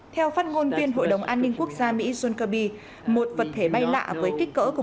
theo phát ngôn viên hội đồng an ninh quốc gia mỹ john kirby một vật thể bay lạ với kích cỡ của